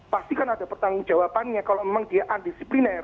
pasti kan ada pertanggung jawabannya kalau memang dia undisipliner